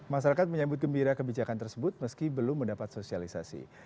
masyarakat menyambut gembira kebijakan tersebut meski belum mendapat sosialisasi